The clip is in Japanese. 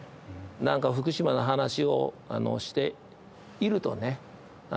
なんか福島の話をしているとね。